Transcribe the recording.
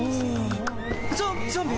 ゾゾンビ！